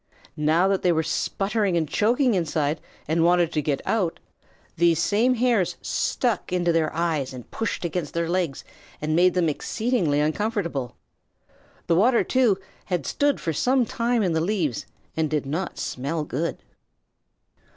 Now that they were sputtering and choking inside, and wanted to get out, these same hairs stuck into their eyes and pushed against their legs and made them exceedingly uncomfortable. The water, too, had stood for some time in the leaves and did not smell good.